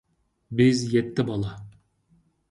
بىز يەتتە بالا